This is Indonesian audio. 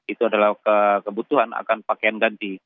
itu adalah kebutuhan akan pakaian ganti